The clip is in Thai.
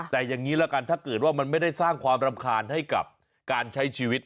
แต่อย่างนี้ละกันถ้าเกิดว่ามันไม่ได้สร้างความรำคาญให้กับการใช้ชีวิต